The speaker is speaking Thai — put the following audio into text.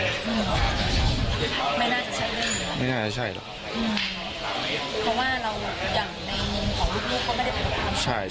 เพราะว่าเราอย่างในมุมของลูกก็ไม่ได้ไปรับกวน